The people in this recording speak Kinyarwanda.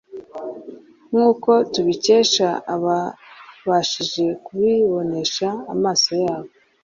nk’uko tubikesha ababashije kubibonesha amaso yabo